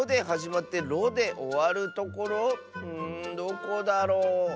んどこだろう？